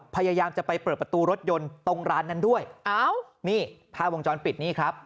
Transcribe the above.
พยายามจะไปเปิดประตูรถยนต์ตรงร้านนั้นด้วยอ้าวนี่ภาพวงจรปิดนี่ครับ